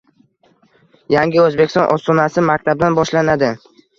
Yangi O‘zbekiston ostonasi – maktabdan boshlanadi